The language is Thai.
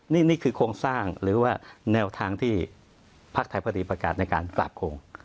นี่คือโครงสร้างหรือว่าแนวทางที่พักไทยพอดีประกาศในการกราบโครง